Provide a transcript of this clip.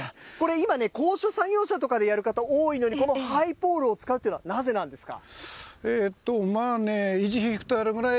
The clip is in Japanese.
今ね、高所作業車とかでやる方、多いのに、このハイポールを使うというのはなぜなんですか。